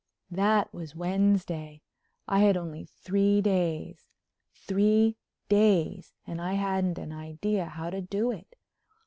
That was Wednesday—I had only three days. Three days and I hadn't an idea how to do it.